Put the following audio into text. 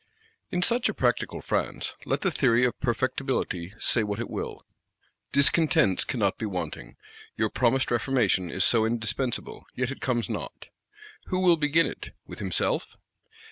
In such a practical France, let the theory of Perfectibility say what it will, discontents cannot be wanting: your promised Reformation is so indispensable; yet it comes not; who will begin it—with himself?